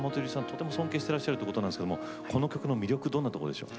とても尊敬してらっしゃるってことですけどもこの曲の魅力どんなところでしょう？